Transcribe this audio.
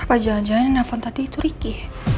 apa jangan jangan yang telfon tadi itu ricky